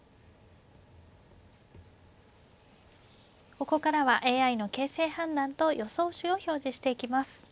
ここからはＡＩの形勢判断と予想手を表示していきます。